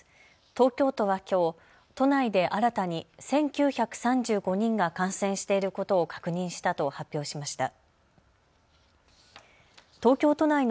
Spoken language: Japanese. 東京都はきょう都内で新たに１９３５人が感染していることを確認したと発表しました。